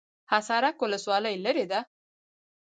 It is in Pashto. حصارک ولسوالۍ لیرې ده؟